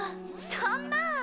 そんな